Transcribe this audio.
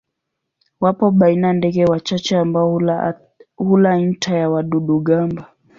Wapo baina ndege wachache ambao hula nta ya wadudu-gamba.